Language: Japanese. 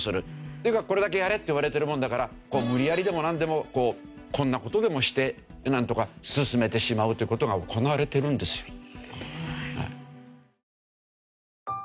とにかくこれだけやれって言われてるもんだから無理やりでもなんでもこんな事でもしてなんとか進めてしまうという事が行われてるんですよ。